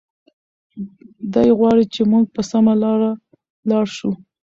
دی غواړي چې موږ په سمه لاره لاړ شو.